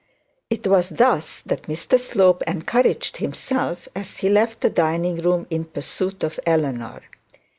'Twas thus that Mr Slope encouraged himself, as he left the dining room in pursuit of Eleanor.